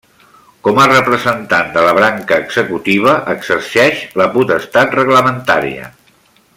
Com a representant de la branca executiva, exerceix la potestat reglamentària.